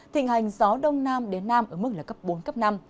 thịnh hành gió đông nam đến nam ở mức là cấp bốn cấp năm